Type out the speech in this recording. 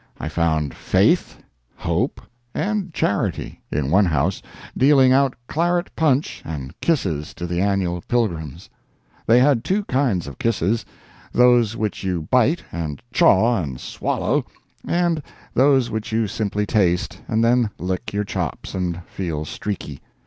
I found Faith, Hope and Charity in one house, dealing out claret punch and kisses to the annual pilgrims. They had two kinds of kisses—those which you bite and "chaw" and swallow, and those which you simply taste, and then lick your chops and feel streaky.